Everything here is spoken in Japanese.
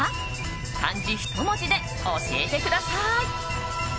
漢字一文字で教えてください！